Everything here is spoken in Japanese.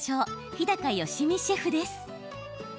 日高良実シェフです。